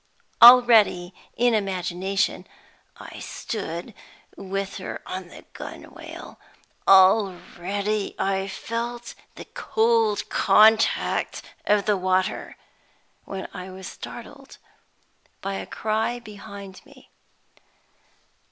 Already, in imagination, I stood with her on the gunwale, already I felt the cold contact of the water when I was startled by a cry behind me.